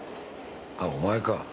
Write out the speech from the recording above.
あっお前か。